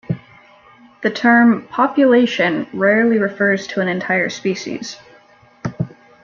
The term "population" rarely refers to an entire species.